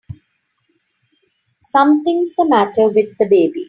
Something's the matter with the baby!